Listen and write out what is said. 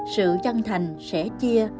sự chân thành sẻ chia